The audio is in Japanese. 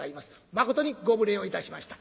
まことにご無礼をいたしました。